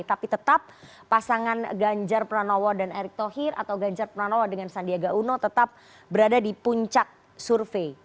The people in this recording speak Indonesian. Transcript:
tapi tetap pasangan ganjar pranowo dan erick thohir atau ganjar pranowo dengan sandiaga uno tetap berada di puncak survei